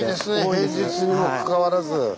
平日にもかかわらず。